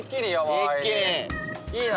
いいな！